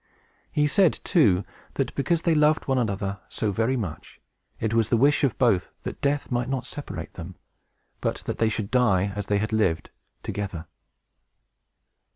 He said, too, that, because they loved one another so very much, it was the wish of both that death might not separate them, but that they should die, as they had lived, together.